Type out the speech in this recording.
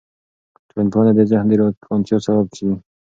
ټولنپوهنه د ذهن د روښانتیا سبب کیږي.